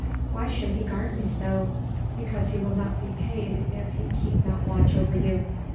"Why should he guard me so?" "Because he will not be paid if he keep not watch over you."